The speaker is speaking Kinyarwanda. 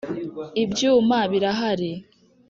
Ibyuma birahari.